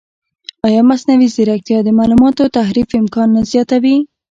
ایا مصنوعي ځیرکتیا د معلوماتو تحریف امکان نه زیاتوي؟